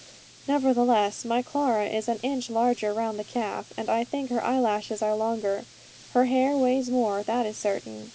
Nevertheless, my Clara is an inch larger round the calf, and I think her eyelashes are longer. Her hair weighs more, that is certain.